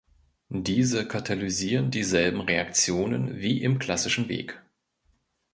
Diese katalysieren dieselben Reaktionen wie im klassischen Weg.